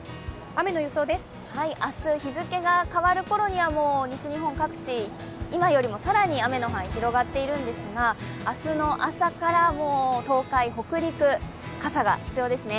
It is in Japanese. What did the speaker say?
明日日付が変わる頃にはもう西日本各地、今よりも更に雨の範囲広がっているんですが明日の朝から東海、北陸、傘が必要ですね。